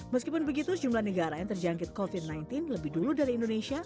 meskipun begitu jumlah negara yang terjangkit covid sembilan belas lebih dulu dari indonesia